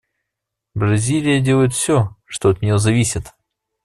Бразилия делает все, что от нее зависит.